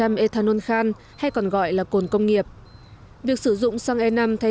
với chín mươi năm xăng a chín mươi hai và năm ethanol khan hay còn gọi là cồn công nghiệp việc sử dụng xăng e năm thay